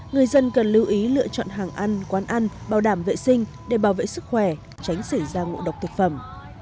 người dân cần lưu ý lựa chọn hàng ăn quán ăn bảo đảm vệ sinh để bảo vệ sức khỏe tránh xảy ra ngộ độc thực phẩm